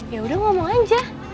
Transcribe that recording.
yaudah ngomong aja